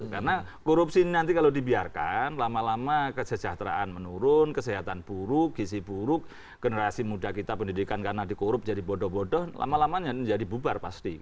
karena korupsi nanti kalau dibiarkan lama lama kesejahteraan menurun kesehatan buruk gisi buruk generasi muda kita pendidikan karena dikorup jadi bodoh bodoh lama lamanya ini jadi bubar pasti